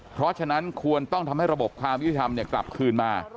เพราะฉะนั้นควรต้องทำให้ระบบความยุติธรรมกลับคืนมา